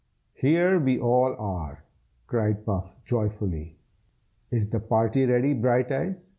"Here we all are!" cried Puff, joyfully. "Is the party ready, Brighteyes?